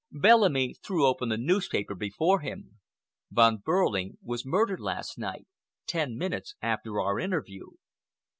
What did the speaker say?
Bellamy threw open the newspaper before him. "Von Behrling was murdered last night, ten minutes after our interview."